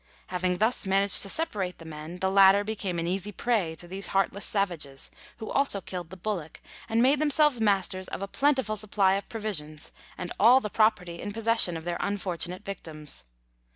Having thus managed to separate the men, the latter became an easy prey to these heartless savages, who also killed the bullock and made themselves masters of a plentiful supply of provisions and all the property in possession of their unfortunate victims.